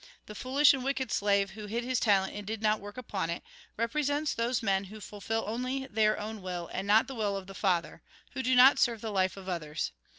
The foolish and wicked slave, who hid his talent and did not work upon it, represents those men who fulfil only their own will, and not the will of the Father ; who do not serve the life of others.